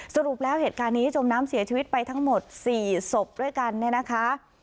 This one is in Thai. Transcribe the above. สรุปแล้วเหตุการณ์นี้จมน้ำเสียชีวิตไปทั้งหมด๔ศพด้วยกันเนี่ยนะคะ